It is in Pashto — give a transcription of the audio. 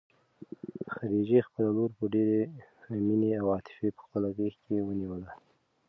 خدیجې خپله لور په ډېرې مینې او عاطفې په خپله غېږ کې ونیوله.